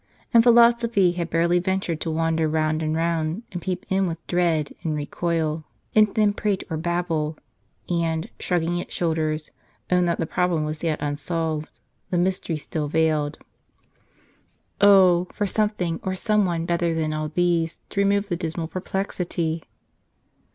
And philosophy had barely ventured to wander round and round, and peep in with dread, and recoil, and then prate or bab ble ; and, shrugging its shoulders, own that the problem was yet unsolved, the mystery still veiled. Oh, for something, or some one, better than all these, to remove the dismal perplexity